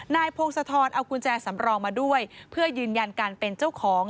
นายพงศธรเอากุญแจสำรองมาด้วยเพื่อยืนยันการเป็นเจ้าของ